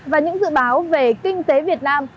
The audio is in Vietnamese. và những dự báo về kinh tế việt nam